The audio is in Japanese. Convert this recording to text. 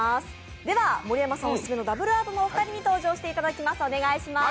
では盛山さんオススメのダブルアートのお二人に登場していただきます。